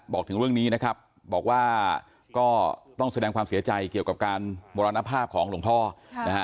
ถึงเรื่องนี้นะครับบอกว่าก็ต้องแสดงความเสียใจเกี่ยวกับการมรณภาพของหลวงพ่อนะฮะ